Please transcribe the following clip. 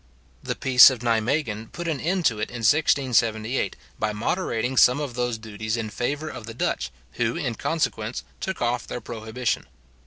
The peace of Nimeguen put an end to it in 1678, by moderating some of those duties in favour of the Dutch, who in consequence took off their prohibition.